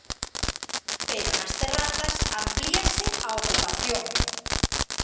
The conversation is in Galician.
Pero nas terrazas amplíase a ocupación.